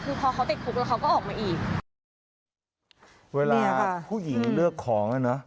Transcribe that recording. คือพอเขาติดคุกแล้วเขาก็ออกมาอีกเวลาผู้หญิงเลือกของอ่ะนะ